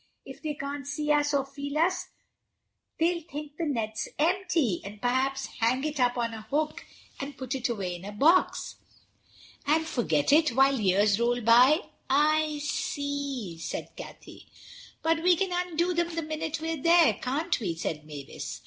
If they can't see us or feel us they'll think the net's empty, and perhaps hang it up on a hook or put it away in a box." "And forget it while years roll by. I see," said Cathay. "But we can undo them the minute we're there. Can't we?" said Mavis.